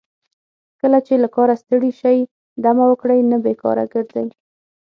کله چې له کاره ستړي شئ دمه وکړئ نه بیکاره ګرځئ.